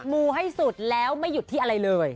มูให้สุดแล้วไม่หยุดที่อะไรเลย